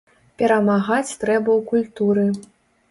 Перамагаць трэба ў культуры.